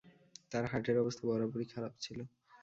তার হার্টের অবস্থা বরাবরই খারাপ ছিল।